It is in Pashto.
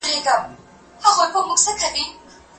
پلار مې وویل چي مطالعه وکړه.